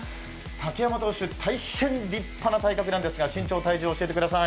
竹山投手、大変立派な体格なんですが、身長、体重、教えてください。